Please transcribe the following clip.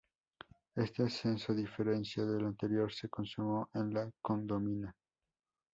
Este ascenso, a diferencia del anterior, se consumó en La Condomina.